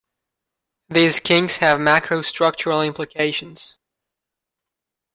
These kinks have macro-structural implications.